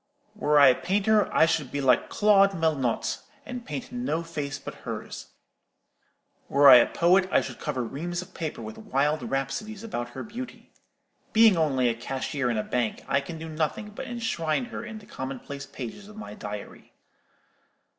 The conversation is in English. Were I a painter, I should be like Claude Melnotte, and paint no face but hers. Were I a poet, I should cover reams of paper with wild rhapsodies about her beauty. Being only a cashier in a bank, I can do nothing but enshrine her in the commonplace pages of my diary.